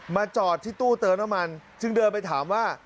จอดที่ตู้เติมน้ำมันจึงเดินไปถามว่า